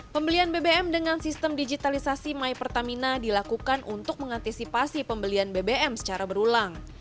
pembelian bbm dengan sistem digitalisasi my pertamina dilakukan untuk mengantisipasi pembelian bbm secara berulang